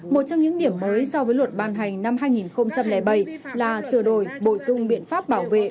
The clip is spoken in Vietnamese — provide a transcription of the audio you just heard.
một trong những điểm mới so với luật ban hành năm hai nghìn bảy là sửa đổi bổ sung biện pháp bảo vệ